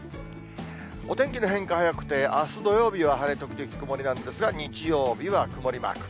お天気の変化早くて、あす土曜日は晴れ時々曇りなんですが、日曜日は曇りマーク。